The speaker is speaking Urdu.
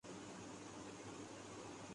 کھلنا ٹیسٹ پر پاکستان کی گرفت مضبوط